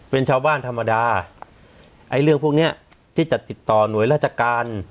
เป็นชาวบ้านธรรมดาไอ้เรื่องพวกเนี้ยที่จะติดต่อหน่วยราชการ